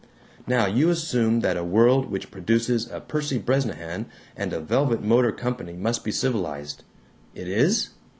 Now you assume that a world which produces a Percy Bresnahan and a Velvet Motor Company must be civilized. It is?